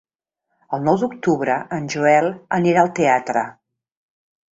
El nou d'octubre en Joel anirà al teatre.